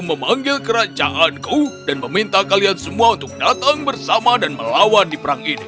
memanggil kerajaanku dan meminta kalian semua untuk datang bersama dan melawan di perang ini